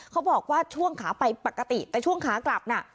เขาบอกว่าช่วงขาไปปกติแต่ช่วงขากลับน่ะ